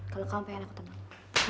kalau kamu pengen aku tenang